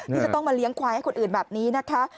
ที่จะต้องมาเลี้ยงควายให้คนอื่นแบบนี้นะคะ